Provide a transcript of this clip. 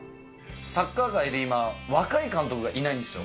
サッカー界で今、若い監督がいないんですよ。